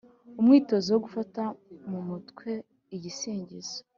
Umwitozo wo gufata mu mutwe igisingizo.